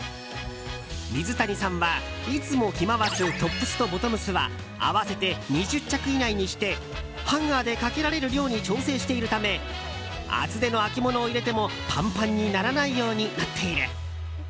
水谷さんは、いつも着回すトップスとボトムスは合わせて２０着以内にしてハンガーでかけられる量に調整しているため厚手の秋物を入れてもパンパンにならないようになっている。